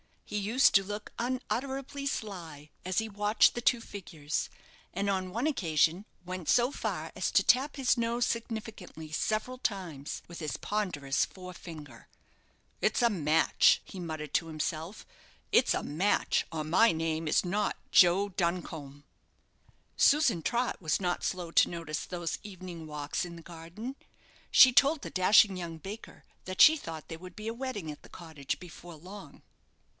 He used to look unutterably sly as he watched the two figures; and on one occasion went so far as to tap his nose significantly several times with his ponderous fore finger. "It's a match!" he muttered to himself; "it's a match, or my name is not Joe Duncombe." Susan Trott was not slow to notice those evening walks in the garden. She told the dashing young baker that she thought there would be a wedding at the cottage before long.